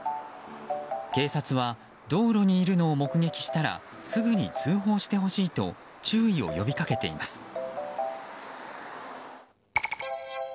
警察は道路にいるのを目撃したらすぐに通報してほしいと注意を呼びかけています。